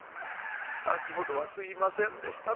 先ほどはすいませんでした。